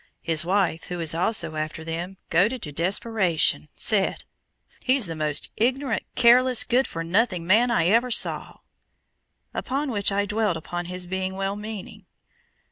His wife, who is also after them, goaded to desperation, said, "He's the most ignorant, careless, good for nothing man I ever saw," upon which I dwelt upon his being well meaning.